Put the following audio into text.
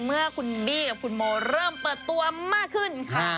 เมื่อคุณบี้กับคุณโมเริ่มเปิดตัวมากขึ้นค่ะ